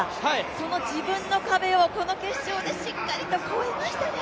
その自分の壁をこの決勝でしっかりと越えましたね。